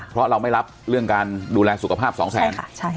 เพราะเราไม่รับเรื่องการดูแลสุขภาพสองแทนใช่ค่ะใช่